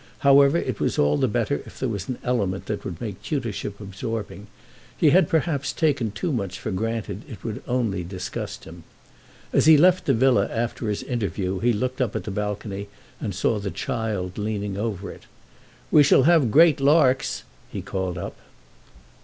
However, it was all the better if there was an element that would make tutorship absorbing: he had perhaps taken too much for granted it would only disgust him. As he left the villa after his interview he looked up at the balcony and saw the child leaning over it. "We shall have great larks!" he called up.